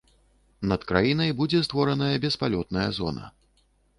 Над краінай будзе створаная беспалётная зона.